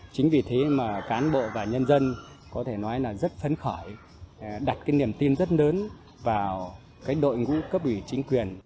chính vì thế mà cán bộ và nhân dân có thể nói là rất phấn khởi đặt cái niềm tin rất lớn vào cái đội ngũ cấp ủy chính quyền